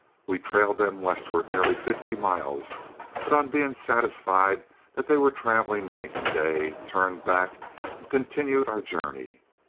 We trailed them westward nearly fifty miles, but, on being satisfied they were traveling night and day, turned back and continued our journey.